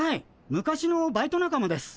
昔のバイト仲間です。